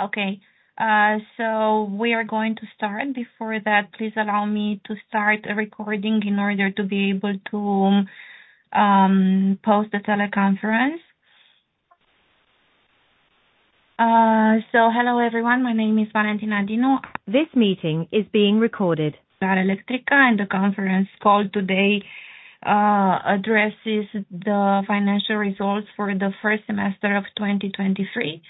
Okay. We are going to start. Before that, please allow me to start a recording in order to be able to post the teleconference. Hello, everyone. My name is Valentina Dinu. This meeting is being recorded. The conference call today addresses the financial results for the first semester of 2023.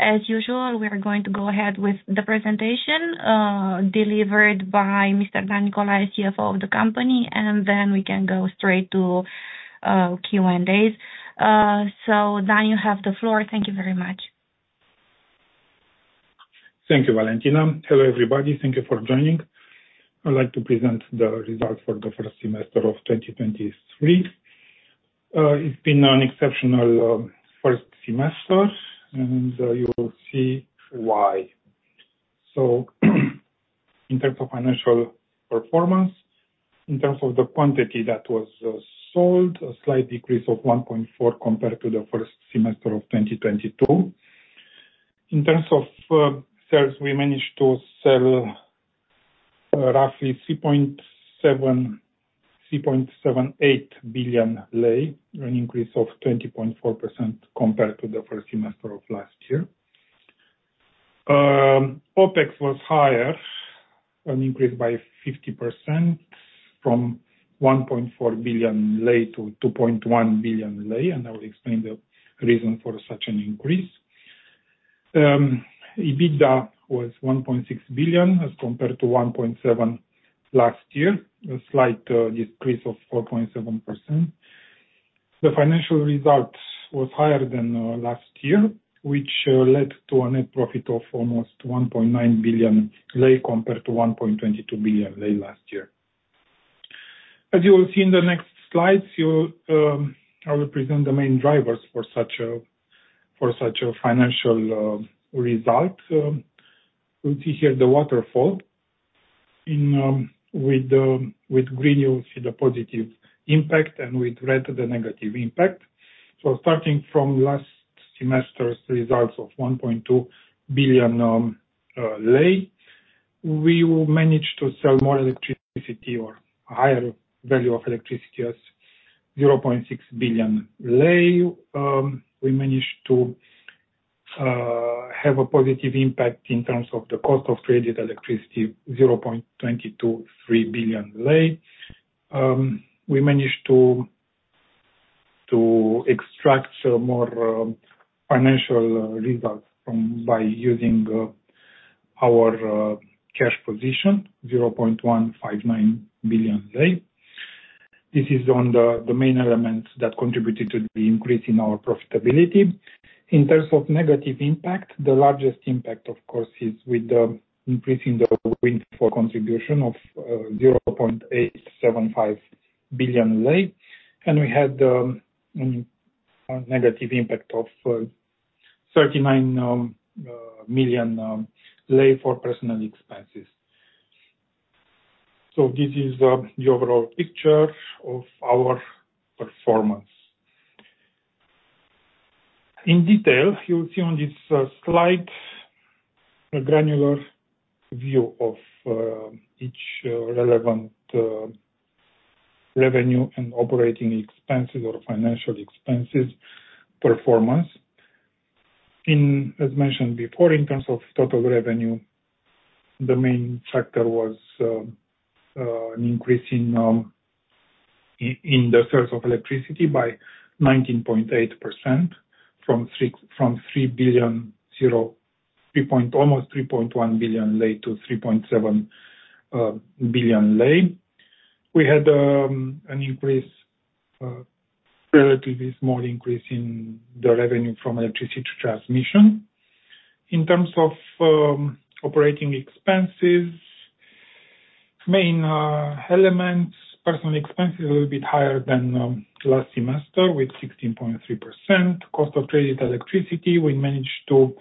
As usual, we are going to go ahead with the presentation, delivered by Mr. Dan Niculaie, CFO of the company, and then we can go straight to Q&As. Dan, you have the floor. Thank you very much. Thank you, Valentina. Hello, everybody. Thank you for joining. I'd like to present the results for the first semester of 2023. It's been an exceptional first semester, and you will see why. In terms of financial performance, in terms of the quantity that was sold, a slight decrease of 1.4 compared to the first semester of 2022. In terms of sales, we managed to sell roughly RON 3.78 billion, an increase of 20.4% compared to the first semester of last year. OpEx was higher, an increase by 50% from RON 1.4 billion to RON 2.1 billion, and I will explain the reason for such an increase. EBITDA was RON 1.6 billion, as compared to RON 1.7 billion last year, a slight decrease of 4.7%. The financial results was higher than last year, which led to a net profit of almost RON 1.9 billion, compared to RON 1.22 billion last year. As you will see in the next slides, I will present the main drivers for such a, for such a financial result. You see here the waterfall, with green, you see the positive impact, and with red, the negative impact. So starting from last semester's results of RON 1.2 billion, we will manage to sell more electricity or higher value of electricity as RON 0.6 billion. We managed to have a positive impact in terms of the cost of traded electricity, RON 0.223 billion. We managed to extract some more financial results from by using our cash position, RON 0.159 billion. This is on the main elements that contributed to the increase in our profitability. In terms of negative impact, the largest impact, of course, is with the increase in the windfall contribution of RON 0.875 billion. We had a negative impact of RON 39 million for personal expenses. This is the overall picture of our performance. In detail, you will see on this slide, a granular view of each relevant revenue and operating expenses or financial expenses performance. As mentioned before, in terms of total revenue, the main factor was an increase in the source of electricity by 19.8%, from almost RON 3.1 billion to RON 3.7 billion. We had an increase, relatively small increase in the revenue from electricity transmission. In terms of operating expenses, main elements, personal expenses a little bit higher than last semester, with 16.3%. Cost of traded electricity, we managed to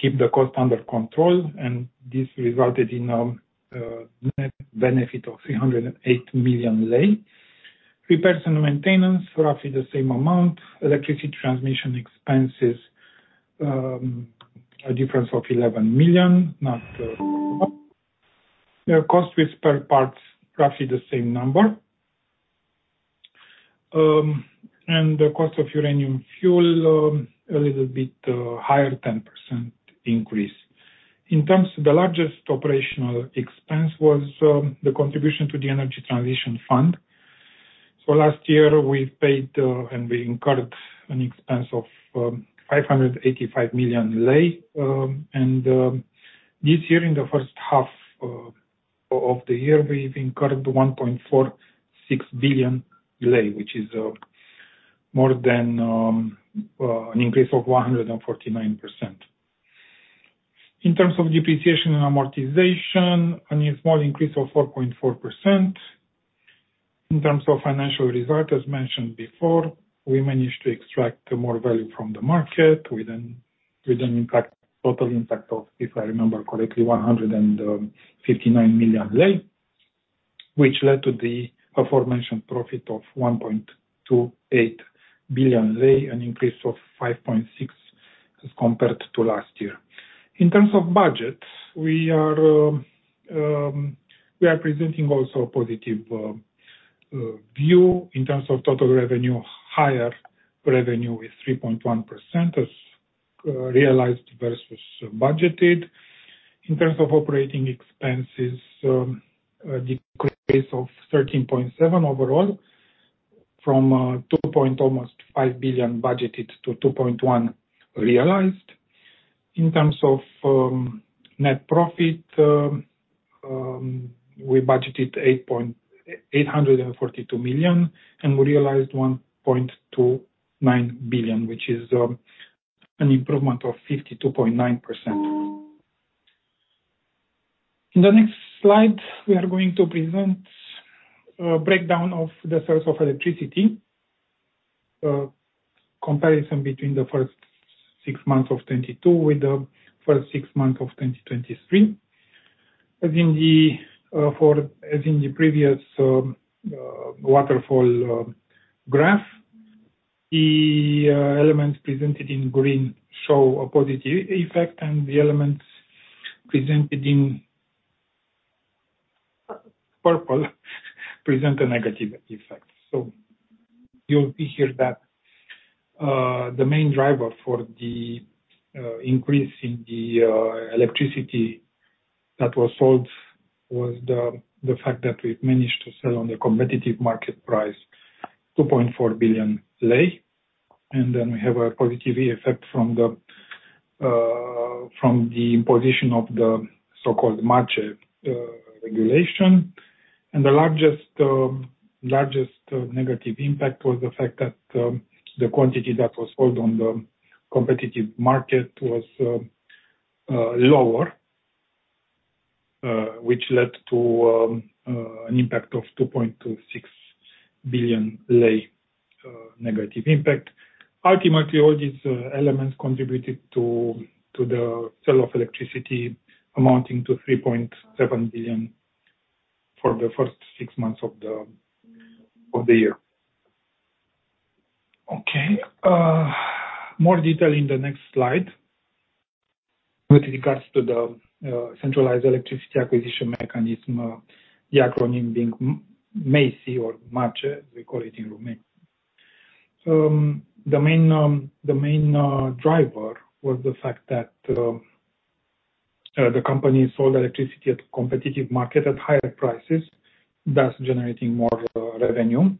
keep the cost under control, and this resulted in net benefit of RON 308 million. Repairs and maintenance, roughly the same amount. Electricity transmission expenses, a difference of RON 11 million. The cost with spare parts, roughly the same number. The cost of uranium fuel, a little bit higher, 10% increase. In terms of the largest operational expense was the contribution to the Energy Transition Fund. Last year, we paid and we incurred an expense of RON 585 million. This year, in the first half of the year, we've incurred RON 1.46 billion, which is more than an increase of 149%. In terms of depreciation and amortization, a small increase of 4.4%. In terms of financial result, as mentioned before, we managed to extract more value from the market with a total impact of, if I remember correctly, RON 159 million. Which led to the aforementioned profit of RON 1.28 billion, an increase of 5.6% as compared to last year. In terms of budget, we are presenting also a positive view in terms of total revenue, higher revenue is 3.1% as realized versus budgeted. In terms of operating expenses, a decrease of 13.7% overall, from RON 2.5 billion budgeted to RON 2.1 billion realized. In terms of net profit, we budgeted RON 842 million, and we realized RON 1.29 billion, which is an improvement of 52.9%. In the next slide, we are going to present a breakdown of the source of electricity. Comparison between the first six months of 2022 with the first six months of 2023. As in the, for, as in the previous waterfall graph, the elements presented in green show a positive effect, and the elements presented in purple present a negative effect. You'll see here that the main driver for the increase in the electricity that was sold was the fact that we managed to sell on the competitive market price RON 2.4 billion. Then we have a positive effect from the from the imposition of the so-called MACEE regulation. The largest negative impact was the fact that the quantity that was sold on the competitive market was lower, which led to an impact of RON 2.26 billion, negative impact. Ultimately, all these elements contributed to the sale of electricity, amounting to RON 3.7 billion for the first six months of the year. Okay, more detail in the next slide. With regards to the Centralized Electricity Acquisition Mechanism, the acronym being MACEE or MACEE, we call it in Romania. The main driver was the fact that the company sold electricity at competitive market at higher prices, thus generating more revenue.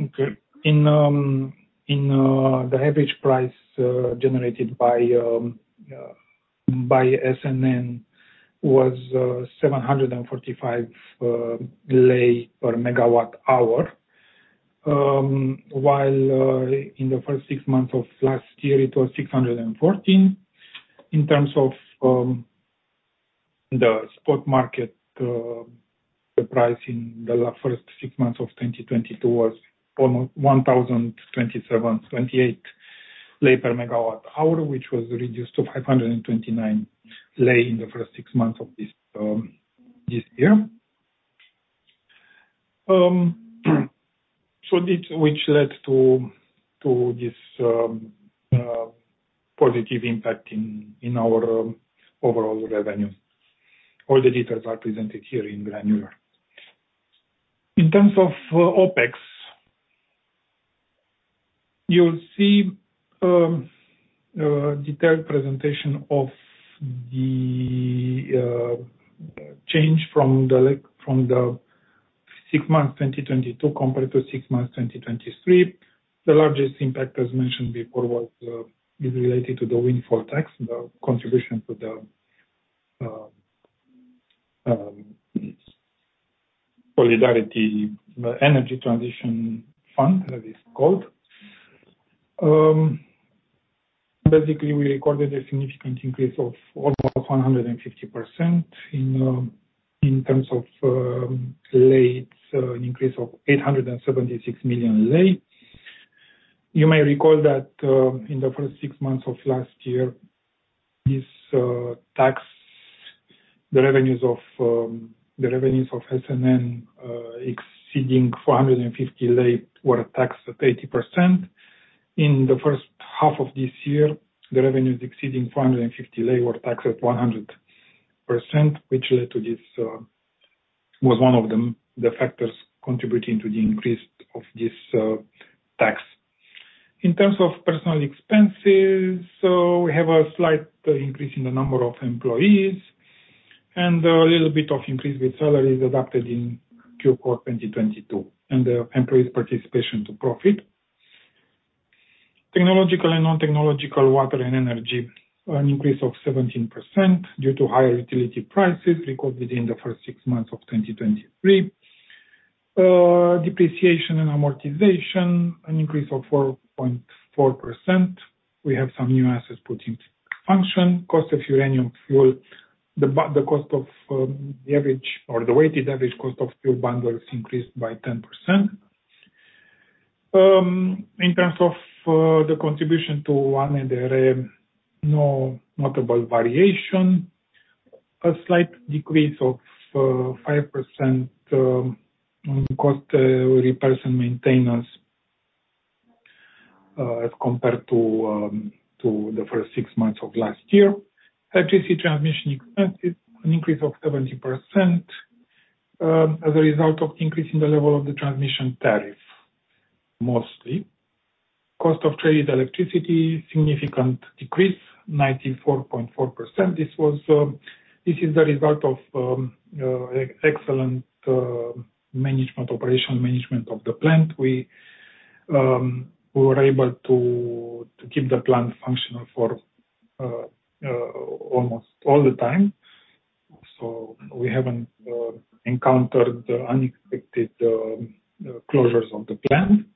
Okay, in the average price generated by SNN was RON 745/MWh. While in the first six months of last year, it was RON 614. In terms of the spot market, the price in the first six months of 2022 was almost RON 1,028/MWh, which was reduced to RON 529 in the first six months of this year. This, which led to this positive impact in our overall revenue. All the details are presented here in granular. In terms of OpEx, you'll see detailed presentation of the change from the six months, 2022, compared to six months 2023. The largest impact, as mentioned before, was related to the windfall tax, the contribution to the solidarity, the Energy Transition Fund, as it's called. Basically, we recorded a significant increase of almost 150% in terms of lei, so an increase of RON 876 million. You may recall that in the first six months of last year, this tax, the revenues of the revenues of SNN, exceeding RON 450 were taxed at 80%. In the first half of this year, the revenues exceeding RON 450 were taxed at 100%, which led to this, was one of them, the factors contributing to the increase of this tax. In terms of personal expenses, we have a slight increase in the number of employees, and a little bit of increase with salaries adopted in Q4 2022, and the employees participation to profit. Technological and non-technological water and energy, an increase of 17% due to higher utility prices recorded in the first six months of 2023. Depreciation and amortization, an increase of 4.4%. We have some new assets put into function. Cost of uranium fuel, the cost of the average or the weighted average cost of fuel bundles increased by 10%. In terms of the contribution to ANRE, no notable variation. A slight decrease of 5% on the cost, repair and maintenance, as compared to the first six months of last year. Electricity transmission expenses, an increase of 70%, as a result of increasing the level of the transmission tariff, mostly. Cost of traded electricity, significant decrease, 94.4%. This was, this is a result of excellent management, operation management of the plant. We, we were able to, to keep the plant functional for almost all the time. We haven't encountered the unexpected closures of the plant,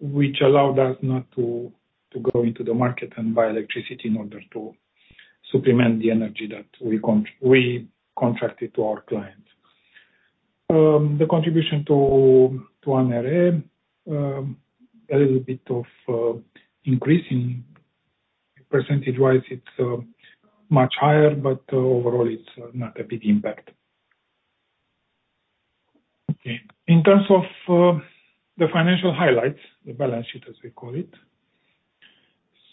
which allowed us not to, to go into the market and buy electricity in order to supplement the energy that we contracted to our clients. The contribution to ANRE, a little bit of increase in percentage-wise, it's much higher, but overall, it's not a big impact. Okay. In terms of the financial highlights, the balance sheet, as we call it.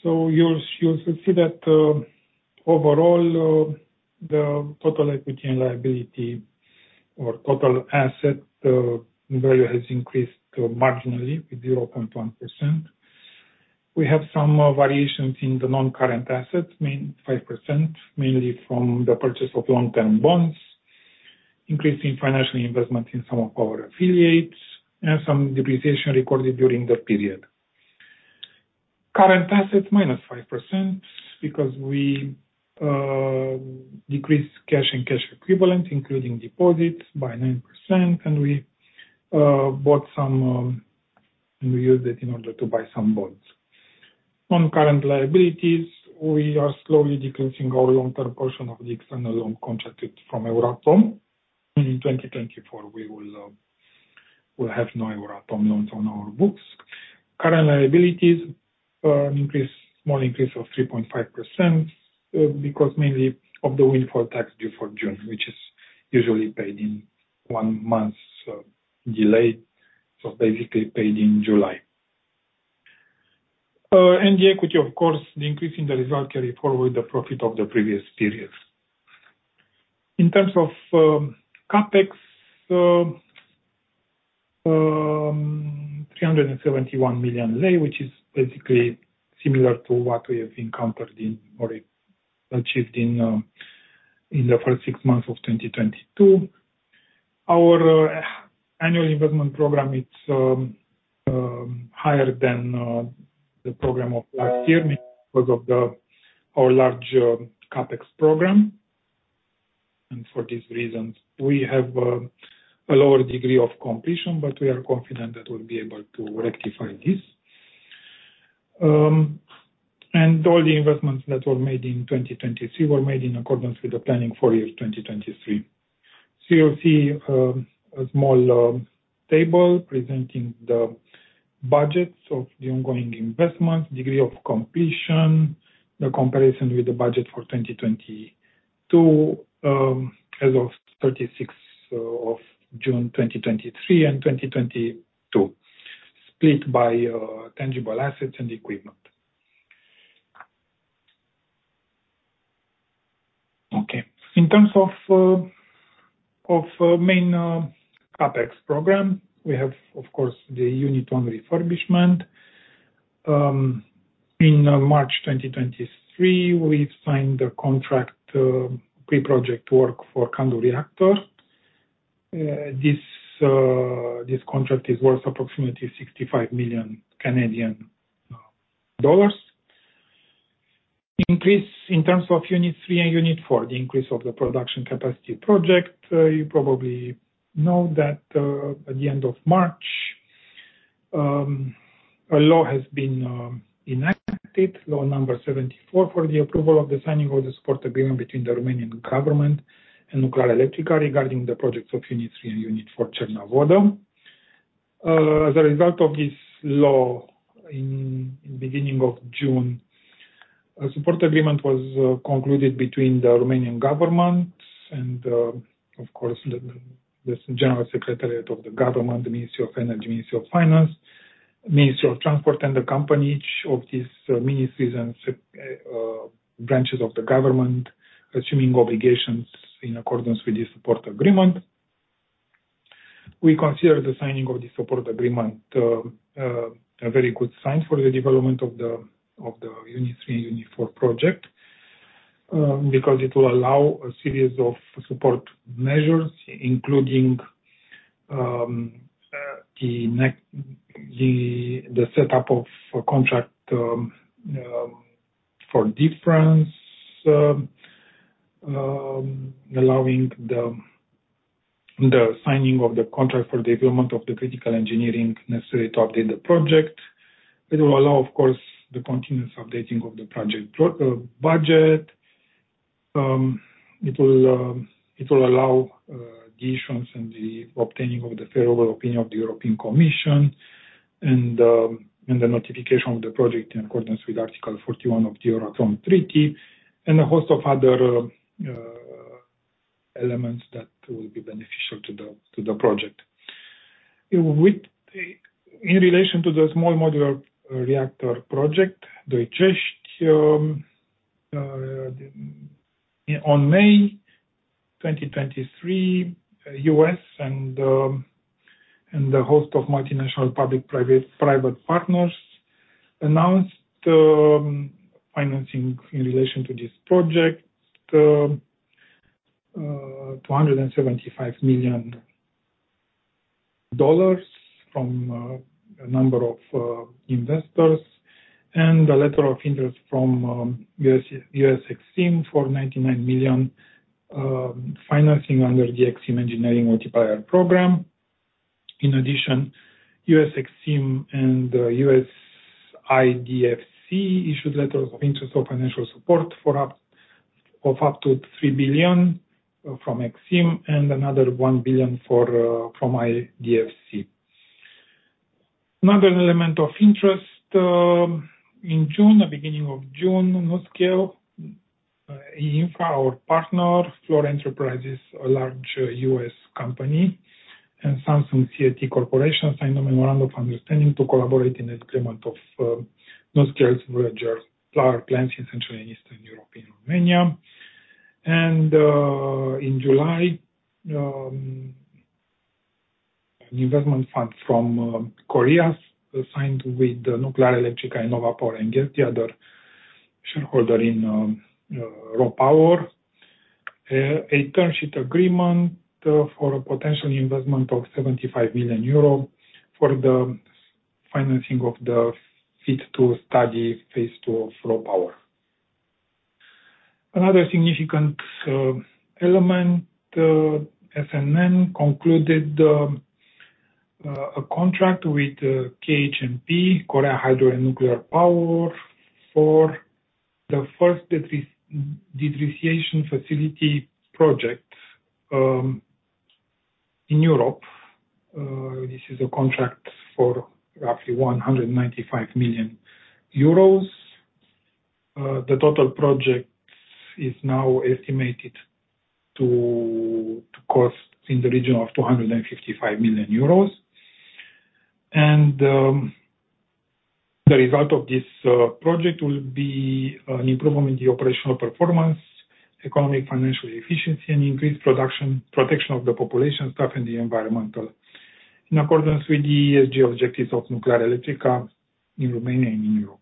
You'll, you'll see that overall, the total equity and liability or total asset value has increased marginally, 0.1%. We have some variations in the non-current assets, 5%, mainly from the purchase of long-term bonds, increase in financial investment in some of our affiliates, and some depreciation recorded during that period. Current assets, -5%, because we decrease cash and cash equivalent, including deposits, by 9%, and we bought some, we used it in order to buy some bonds. On current liabilities, we are slowly decreasing our long-term portion of the external loan contracted from Euratom. In 2024, we will have no Euratom loans on our books. Current liabilities, increase, small increase of 3.5%, because mainly of the windfall tax due for June, which is usually paid in one month delay, so basically paid in July. The equity, of course, the increase in the result carry forward the profit of the previous periods. In terms of CapEx, RON 371 million, which is basically similar to what we have encountered in or achieved in the first six months of 2022. Our annual investment program, it's higher than the program of last year because of the our large CapEx program. For these reasons, we have a lower degree of completion, but we are confident that we'll be able to rectify this. All the investments that were made in 2022 were made in accordance with the planning for year 2023. You'll see a small table presenting the budgets of the ongoing investments, degree of completion, the comparison with the budget for 2022, as of 26th of June 2023 and 2022, split by tangible assets and equipment. In terms of main CapEx program, we have, of course, the Unit 1 refurbishment. In March 2023, we signed a contract, pre-project work for CANDU reactor. This contract is worth approximately 65 million Canadian dollars. Increase in terms of Unit 3 and Unit 4, the increase of the production capacity project. You probably know that, at the end of March, a law has been enacted, Law number 74, for the approval of the signing of the Support Agreement between the Romanian Government and Nuclearelectrica, regarding the projects of Unit 3 and Unit 4 at Cernavodă. As a result of this law, in, in beginning of June, a Support Agreement was concluded between the Romanian Government and, of course, the General Secretariat of the Government, the Ministry of Energy, Ministry of Finance, Ministry of Transport, and the company, each of these ministries and sec- branches of the government, assuming obligations in accordance with the Support Agreement. We consider the signing of the Support Agreement, a very good sign for the development of the Unit 3 and Unit 4 project, because it will allow a series of support measures, including, the setup of a Contract for Difference, allowing the signing of the contract for the development of the critical engineering necessary to update the project. It will allow, of course, the continuous updating of the project budget. It will, it will allow, the issuance and the obtaining of the favorable opinion of the European Commission and, and the notification of the project in accordance with Article 41 of the Euratom Treaty and a host of other elements that will be beneficial to the, to the project. In relation to the small modular reactor project, Doicești, on May 2023, U.S. and the host of multinational public-private, private partners announced financing in relation to this project, $275 million from a number of investors, and a letter of interest from U.S. EXIM for $99 million financing under the EXIM Engineering Multiplier Program. In addition, U.S. EXIM and U.S. DFC issued letters of interest for financial support of up to $3 billion from EXIM and another $1 billion from DFC. Another element of interest, in June, the beginning of June, NuScale, and our partner, Fluor Enterprises, a large U.S. company, and Samsung C&T Corporation, signed a Memorandum of Understanding to collaborate in the deployment of NuScale VOYGR power plants in Central and Eastern Europe, including Romania. In July, an investment fund from Korea signed with Nuclearelectrica and Nova Power and the other shareholder in RoPower. A term sheet agreement for a potential investment of 75 million euro for the financing of the FEED study, Phase 2 of RoPower. Another significant element, SNN concluded a contract with KHNP, Korea Hydro & Nuclear Power, for the first detritiation facility project in Europe. This is a contract for roughly 195 million euros. The total project is now estimated to cost in the region of 255 million euros. The result of this project will be an improvement in the operational performance, economic, financial efficiency, and increased production, protection of the population, staff, and the environmental, in accordance with the ESG objectives of Nuclearelectrica in Romania and in Europe.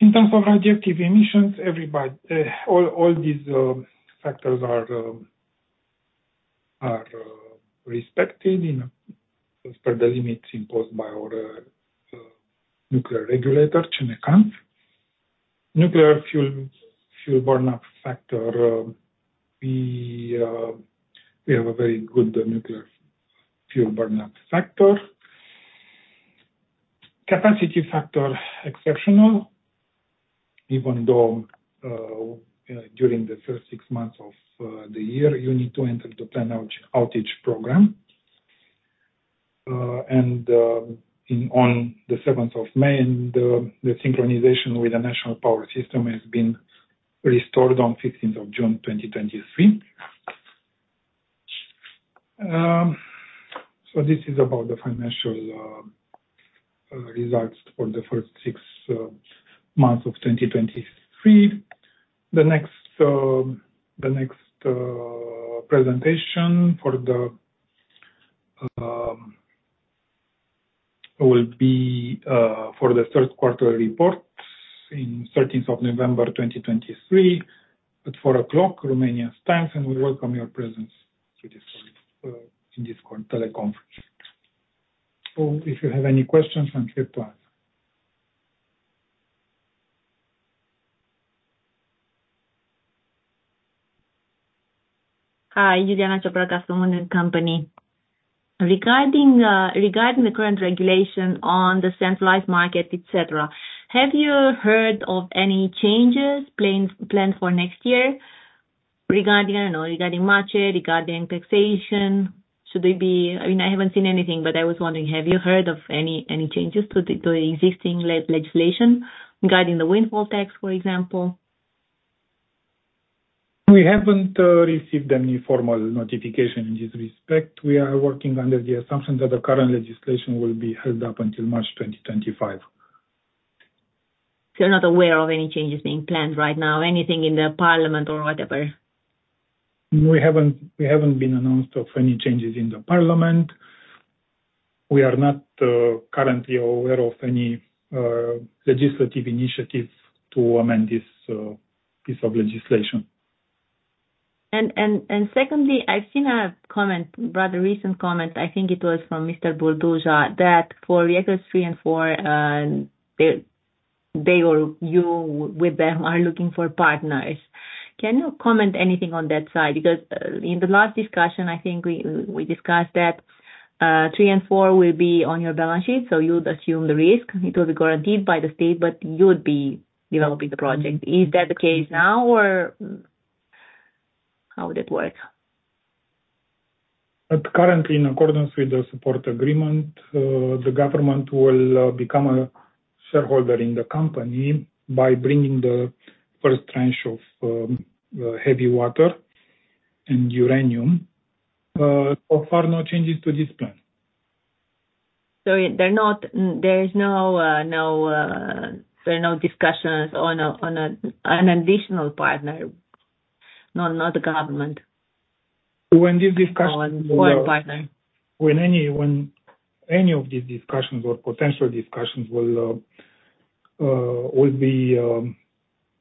In terms of radioactive emissions, everybody, all, all these factors are respected in, as per the limits imposed by our nuclear regulator, CNCAN. Nuclear fuel, fuel burn-up factor, we have a very good nuclear fuel burn-up factor. Capacity factor, exceptional, even though, during the first six months of the year, you need to enter the planned outage program. On the 7th of May, and the synchronization with the National Power System has been restored on 15th of June, 2023. This is about the financial results for the first six months of 2023. The next presentation for the will be for the 3rd quarter report in 13th of November, 2023, at 4:00 P.M. Romanian time, and we welcome your presence to this in this teleconference. If you have any questions, I'm here to answer. Hi, Iuliana Ciopraga from WOOD & Company. Regarding, regarding the current regulation on the centralized market, et cetera, have you heard of any changes planned, planned for next year regarding, you know, regarding market, regarding taxation? Should they be... I mean, I haven't seen anything, but I was wondering, have you heard of any, any changes to the existing legislation regarding the windfall tax, for example? We haven't received any formal notification in this respect. We are working under the assumption that the current legislation will be held up until March 2025. You're not aware of any changes being planned right now, anything in the parliament or whatever? We haven't, we haven't been announced of any changes in the parliament. We are not currently aware of any legislative initiatives to amend this piece of legislation. Secondly, I've seen a comment, rather recent comment, I think it was from Mr. Budușan, that for reactors three and four, they, they or you with them are looking for partners. Can you comment anything on that side? Because, in the last discussion, I think we, we discussed that, three and four will be on your balance sheet, so you would assume the risk. It will be guaranteed by the state, but you would be developing the project. Is that the case now, or how would it work? Currently, in accordance with the Support Agreement, the government will become a shareholder in the company by bringing the first tranche of heavy water and uranium. So far, no changes to this plan. There are no discussions on an additional partner? Not, not the government? When these discussions- Or a partner? When any of these discussions or potential discussions will be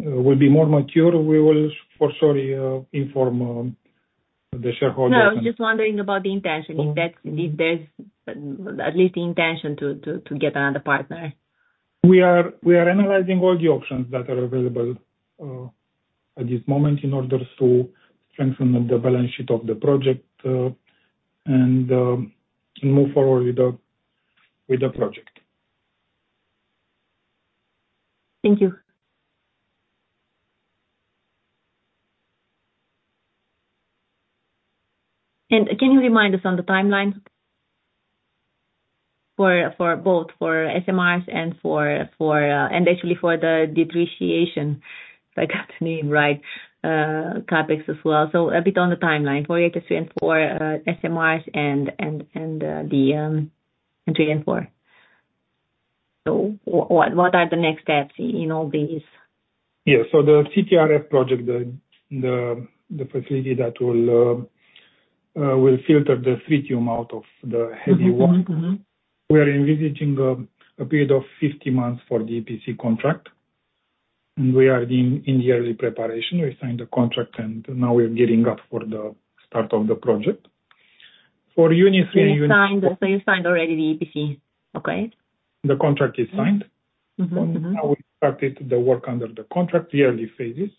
more mature, we will for sure, inform the shareholder. No, I was just wondering about the intention, if that's, if there's at least the intention to get another partner? We are analyzing all the options that are available at this moment in order to strengthen the balance sheet of the project and to move forward with the project. Thank you. Can you remind us on the timeline? For, for both for SMRs and for, for, and actually for the depreciation, if I got the name right, CapEx as well. So a bit on the timeline for three and four SMRs and, and, and, the, three and four. So what, what are the next steps in all these? Yeah. The CTRF project, the facility that will filter the tritium out of the heavy water. Mm-hmm. Mm-hmm. We are envisaging, a period of 50 months for the EPC contract, and we are in, in the early preparation. We signed the contract, and now we are getting up for the start of the project. For Unit 3- You signed already the EPC, okay? The contract is signed. Mm-hmm. Mm-hmm. Now, we started the work under the contract, the early phases,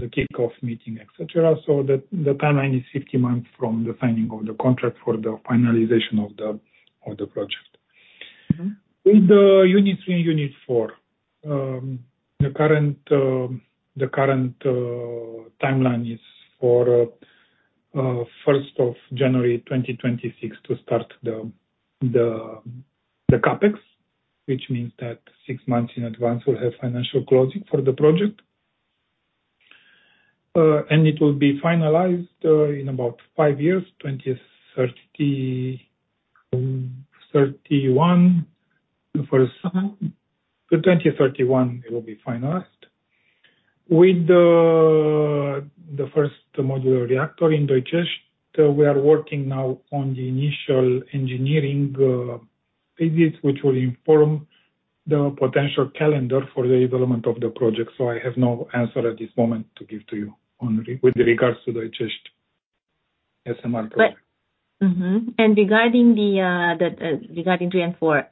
the kickoff meeting, et cetera. The timeline is 50 months from the signing of the contract for the finalization of the project. Mm-hmm. With the Unit 3 and Unit 4, the current, the current timeline is for 1st of January 2026, to start the CapEx, which means that six months in advance, we'll have financial closing for the project. It will be finalized in about five years, 2030, 2031. For some, for 2031, it will be finalized. With the first modular reactor in Doicești, we are working now on the initial engineering phases, which will inform the potential calendar for the development of the project. I have no answer at this moment to give to you with regards to the Doicești SMR project. Mm-hmm. Regarding the, the, regarding three and four,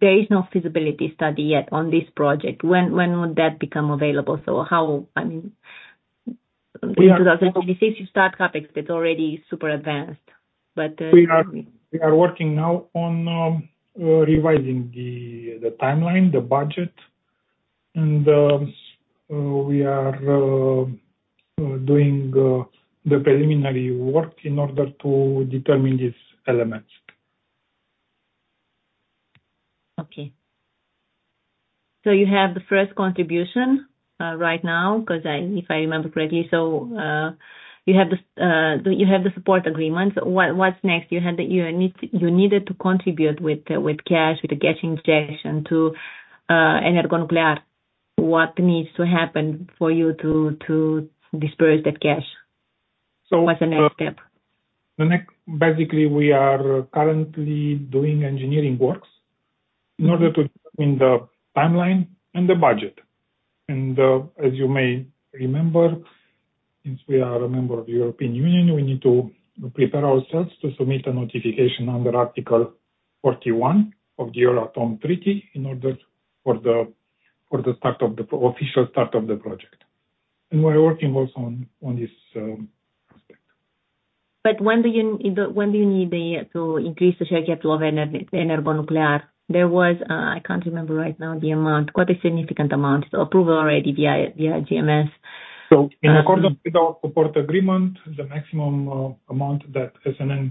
there is no feasibility study yet on this project. When, when would that become available? How... I mean, in 2026, you start CapEx, that's already super advanced, but. We are, we are working now on revising the timeline, the budget, and we are doing the preliminary work in order to determine these elements. Okay. You have the first contribution, right now, 'cause if I remember correctly, so, you have the, you have the support agreement. What, what's next? You have the unit- you needed to contribute with, with cash, with the cash injection to EnergoNuclear. What needs to happen for you to, to disperse that cash? What's the next step? The next... Basically, we are currently doing engineering works in order to determine the timeline and the budget. As you may remember, since we are a member of the European Union, we need to prepare ourselves to submit a notification under Article 41 of the Euratom Treaty, in order for the, for the start of the official start of the project. We're working also on, on this aspect. When do you, when do you need to increase the share capital of EnergoNuclear? There was, I can't remember right now, the amount, quite a significant amount, so approved already, the EGMS. In accordance with our Support Agreement, the maximum amount that SNN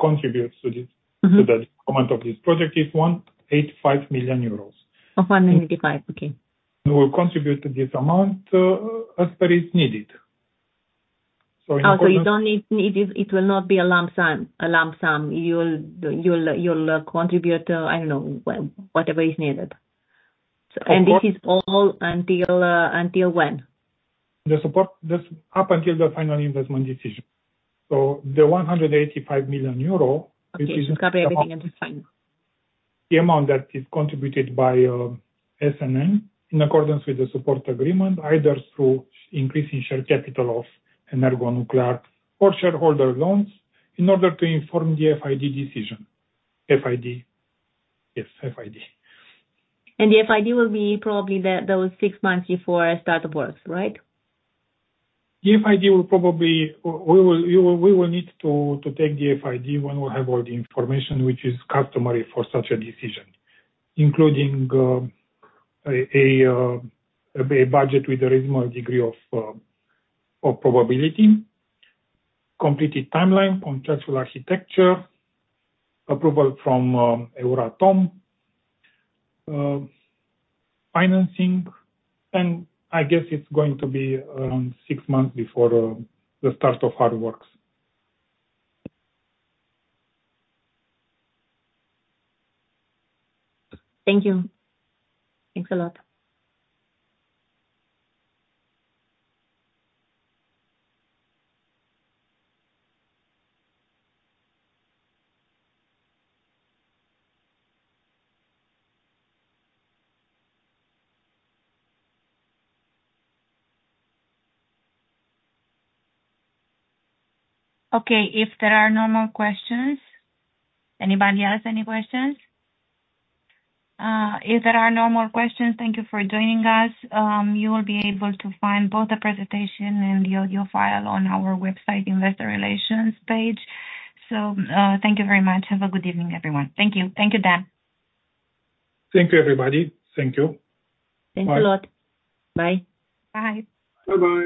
contributes to this- Mm-hmm. To the amount of this project is 185 million euros. Oh, 185 million. Okay. We will contribute to this amount, as per is needed. In accordance. Oh, so if you don't need, need it, it will not be a lump sum, a lump sum. You'll, you'll, you'll contribute, I don't know, whatever is needed. Of course. This is all until, until when? The support, this up until the final investment decision. The 185 million euro, which is the amount- Okay, it will cover everything at the same. The amount that is contributed by, SNN, in accordance with the Support Agreement, either through increasing share capital of EnergoNuclear or shareholder loans, in order to inform the FID decision. FID? Yes, FID. The FID will be probably those six months before start of works, right? The FID will probably. We will need to take the FID when we have all the information, which is customary for such a decision, including a budget with a reasonable degree of probability, completed timeline on stressful architecture, approval from Euratom, financing, and I guess it's going to be around six months before the start of hard works. Thank you. Thanks a lot. Okay, if there are no more questions... Anybody else, any questions? If there are no more questions, thank you for joining us. You will be able to find both the presentation and the audio file on our website Investor Relations page. Thank you very much. Have a good evening, everyone. Thank you. Thank you, Dan. Thank you, everybody. Thank you. Thanks a lot. Bye. Bye. Bye-bye.